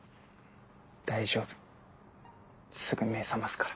大丈夫すぐ目覚ますから。